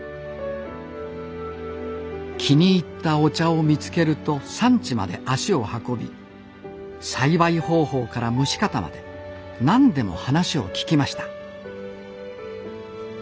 気に入ったお茶を見つけると産地まで足を運び栽培方法から蒸し方まで何でも話を聞きました